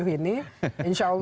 dua puluh tujuh ini insya allah